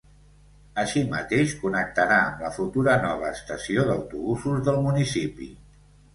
Així mateix, connectarà amb la futura nova estació d’autobusos del municipi.